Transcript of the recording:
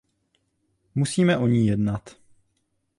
Musíme o ní jednat.